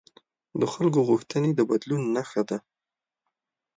د خلکو غوښتنې د بدلون نښه ده